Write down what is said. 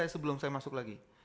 sebelum saya masuk lagi